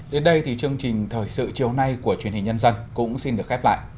đến đây thì chương trình thời sự chiều nay của truyền hình nhân dân cũng xin được khép lại